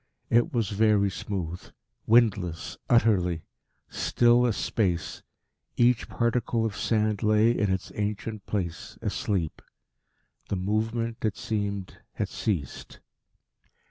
It was very smooth; windless utterly; still as space; each particle of sand lay in its ancient place asleep. The movement, it seemed, had ceased.